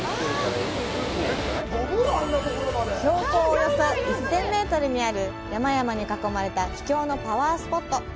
およそ１０００メートルにある山々に囲まれた秘境のパワースポット。